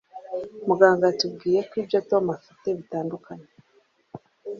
Muganga yatubwiye ko ibyo Tom afite bitanduye